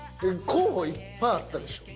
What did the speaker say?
候補いっぱいあったでしょ？